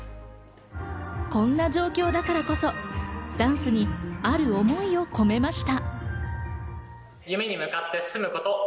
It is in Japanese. こんな状況だからこそ、ダンスにある思いを込めました。